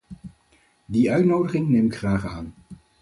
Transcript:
Die uitnodiging neem ik graag aan.